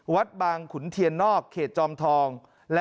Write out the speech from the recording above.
วัดบางขุนเทียนนอกเขตจอมทอง